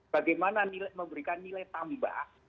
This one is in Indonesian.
bagaimana memberikan nilai tambah